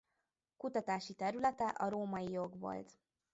Kutatási területe a római jog volt.